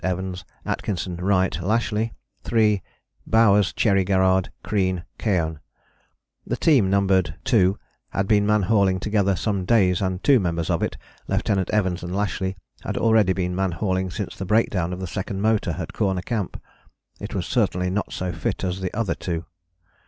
Evans, Atkinson, Wright, Lashly: (III) Bowers, Cherry Garrard, Crean, Keohane. The team numbered (II) had been man hauling together some days, and two members of it, Lieut. Evans and Lashly, had already been man hauling since the breakdown of the second motor at Corner Camp; it was certainly not so fit as the other two.